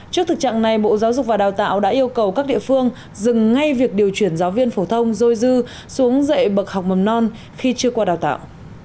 trước thực trạng này bộ giáo dục và đào tạo đã yêu cầu các địa phương dừng ngay việc điều chuyển giáo viên phổ thông dôi dư xuống dạy bậc học mầm non khi chưa qua đào tạo